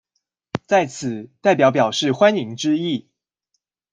在此代表表示歡迎之意